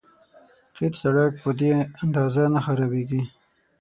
قیر سړک په دې اندازه نه خرابېږي.